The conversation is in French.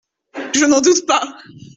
Je n’en doute pas.